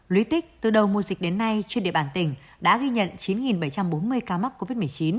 lý tích từ đầu mùa dịch đến nay trên địa bàn tỉnh đã ghi nhận chín bảy trăm bốn mươi ca mắc covid một mươi chín